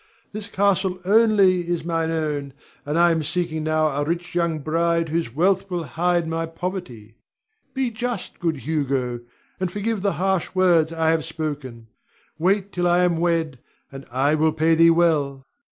This castle only is mine own, and I am seeking now a rich young bride whose wealth will hide my poverty. Be just, good Hugo, and forgive the harsh words I have spoken. Wait till I am wed, and I will pay thee well.